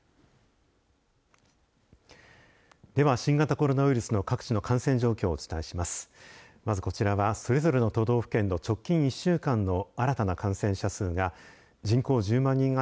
では、新型コロナウイルスの各地の感染状況をお伝えします。